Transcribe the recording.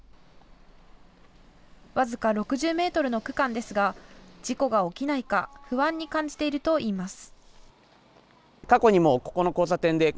僅か６０メートルの区間ですが事故が起きないか不安に感じているといいます。